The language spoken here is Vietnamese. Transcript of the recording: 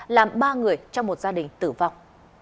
làm ba người trong một gia đình tử vọng